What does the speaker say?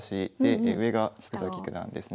上が福崎九段ですね。